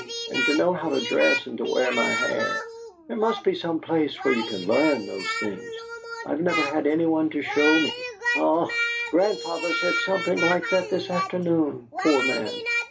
And to know how to dress and to wear my hair there must be some place where you can learn those things. I've never had any one to show me! Ah! Grandfather said something like that this afternoon poor man!